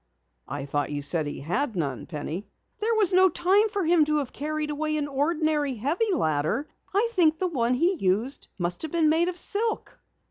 "I thought you said he had none, Penny." "There was no time for him to have carried away an ordinary, heavy ladder. I think the one he used must have been made of silk."